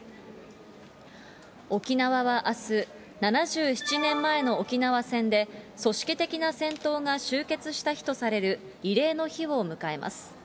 沖縄はあす、７７年前の沖縄戦で、組織的な戦闘が終結した人される慰霊の日を迎えます。